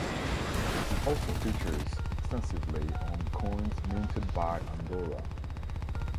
It also features extensively on coins minted by Andorra.